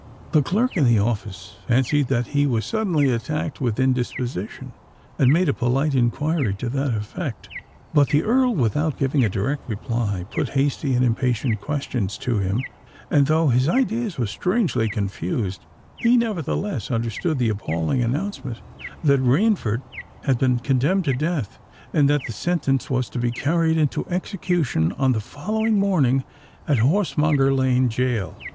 The clerk in the office fancied that he was suddenly attacked with indisposition, and made a polite inquiry to that effect. But the Earl, without giving a direct reply, put hasty and impatient questions to him; and, though his ideas were strangely confused, he nevertheless understood the appalling announcement—_that Rainford had been condemned to death and that the sentence was to be carried into execution on the following morning at Horsemonger Lane Gaol_!